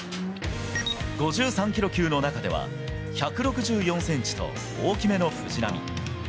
５３キロ級の中では、１６４センチと大きめの藤波。